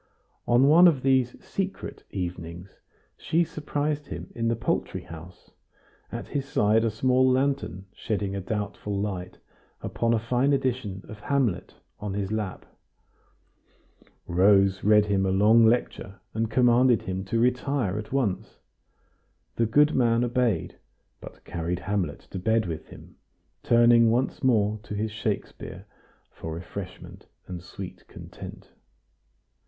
On one of these "secret" evenings she surprised him in the poultry house, at his side a small lantern shedding a doubtful light upon a fine edition of "Hamlet" on his lap. Rose read him a long lecture, and commanded him to retire at once. The good man obeyed, but carried "Hamlet" to bed with him, turning once more to his Shakespeare for refreshment and sweet content.